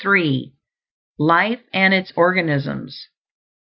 LIFE AND ITS ORGANISMS.